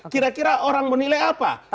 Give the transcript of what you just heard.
kira kira orang menilai apa